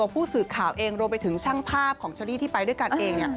ผู้สืบข่าวเองรวมไปถึงชั่งภาพฉลิที่ไปด้วยกันเอง